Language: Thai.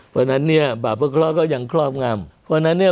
เพราะฉะนั้นเนี่ยบาปวิเคราะห์ก็ยังครอบงำเพราะฉะนั้นเนี่ย